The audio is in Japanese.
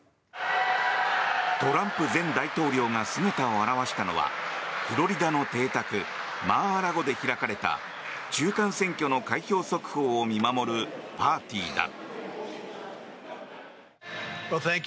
トランプ前大統領が姿を現したのはフロリダの邸宅マー・ア・ラゴで開かれた中間選挙の開票速報を見守るパーティーだ。